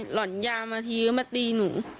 หล่อนยามตำรับตีหนู